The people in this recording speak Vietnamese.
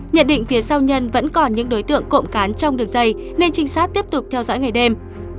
nhận định phía sau nhân vẫn còn những đối tượng cộng cán trong đường dây nên trinh sát tiếp tục theo dõi ngày đêm